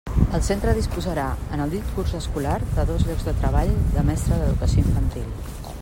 El centre disposarà, en el dit curs escolar, de dos llocs de treball de mestre d'Educació Infantil.